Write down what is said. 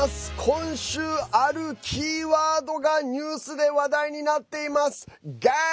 今週、あるキーワードがニュースで話題になっています。